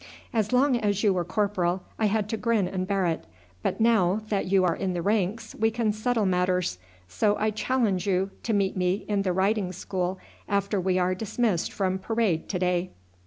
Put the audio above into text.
As long as you were corporal I had to grin and bear it, but now that you are in the ranks we can settle matters; so I challenge you to meet me in the riding school after we are dismissed from parade to day."